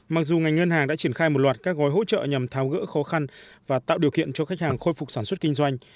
mặc dù ngành ngân hàng đã triển khai một loạt các gói hỗ trợ nhằm tháo gỡ khó khăn và tạo điều kiện cho khách hàng khôi phục sản xuất kinh doanh